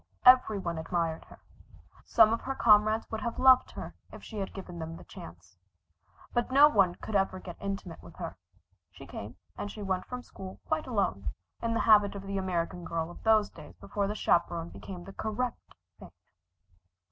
Every one admired her. Some of her comrades would have loved her if she had given them the chance. But no one could ever get intimate with her. She came and went from school quite alone, in the habit of the American girl of those days before the chaperon became the correct thing.